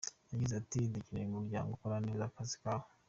Yagize ati “Dukeneye umuryango ukora neza akazi kawo.